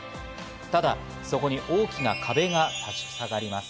ただ、そこに大きな壁が立ちふさがります。